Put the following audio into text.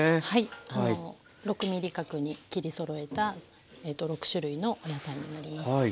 はい６ｍｍ角に切りそろえた６種類のお野菜になります。